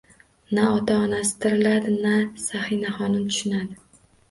Na ota-onasi tiriladi, na Sanihaxonim tushunadi.